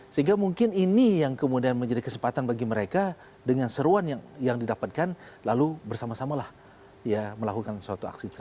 sehingga mungkin ini yang kemudian menjadi kesempatan bagi mereka dengan seruan yang didapatkan lalu bersama samalah melakukan suatu aksi tersebut